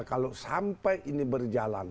kalau sampai ini berjalan